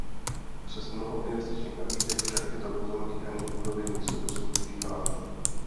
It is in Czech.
Přes mnoho investičních nabídek však tyto pozemky ani budovy nejsou dosud užívány.